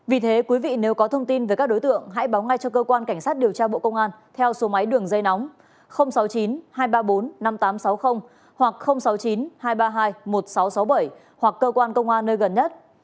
vì thế quý vị nếu có thông tin về các đối tượng hãy báo ngay cho cơ quan cảnh sát điều tra bộ công an theo số máy đường dây nóng sáu mươi chín hai trăm ba mươi bốn năm nghìn tám trăm sáu mươi hoặc sáu mươi chín hai trăm ba mươi hai một nghìn sáu trăm sáu mươi bảy hoặc cơ quan công an nơi gần nhất